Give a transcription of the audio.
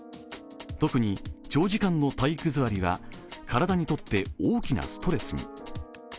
特に長時間の体育座りは体にとって大きなストレスに。